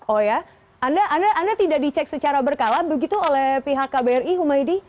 oh ya anda tidak dicek secara berkala begitu oleh pihak kbri humaydi